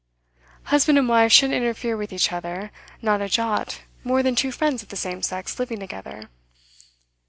Husband and wife should interfere with each other not a jot more than two friends of the same sex living together.